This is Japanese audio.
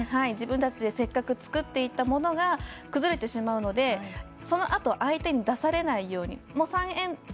自分たちでせっかく作っていたものが崩れてしまうのでそのあと相手に出されないように。